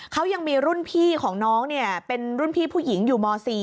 เขายังมีรุ่นพี่ของน้องเป็นรุ่นพี่ผู้หญิงอยู่ม๔